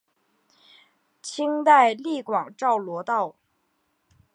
清代隶广肇罗道。